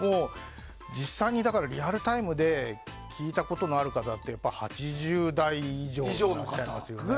実際にリアルタイムで聴いたことのある方って８０代以上なのかなと。